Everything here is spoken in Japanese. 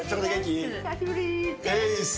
お久しぶりです。